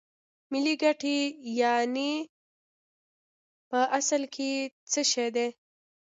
ملي ګټې یانې په اصل کې څه شی دي